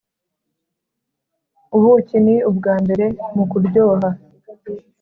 ubuki ni ubwa mbere mu kuryoha